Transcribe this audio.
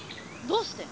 どうして？